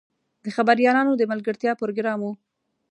د خبریالانو د ملګرتیا پروګرام و.